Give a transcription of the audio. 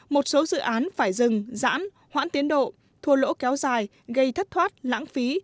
một số dự án phải dừng giãn hoãn tiến độ thua lỗ kéo dài gây thất thoát lãng phí